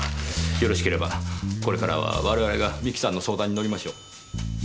よろしければこれからは我々が美紀さんの相談に乗りましょう。